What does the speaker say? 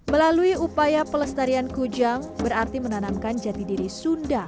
melalui upaya pelestarian kujang berarti menanamkan jati diri sunda